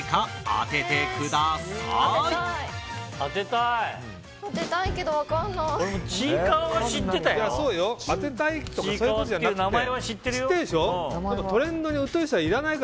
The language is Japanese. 当てたいけど分からない。